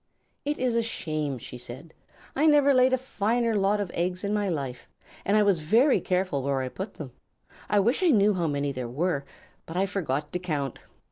"It is a shame," she said. "I never laid a finer lot of eggs in my life, and I was very careful where I put them. I wish I knew how many there were, but I forgot to count.